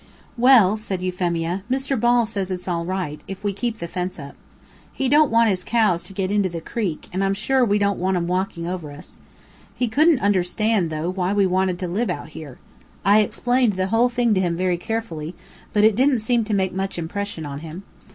"Well," said Euphemia, "Mr. Ball says it's all right, if we keep the fence up. He don't want his cows to get into the creek, and I'm sure we don't want 'em walking over us. He couldn't understand, though, why we wanted to live out here. I explained the whole thing to him very carefully, but it didn't seem to make much impression on him.